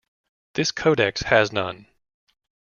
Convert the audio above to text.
This codex has none.